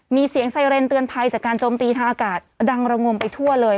มีเสียงไซเรนเตือนภัยจากการจมตีทางอากาศดังระงมไปทั่วเลย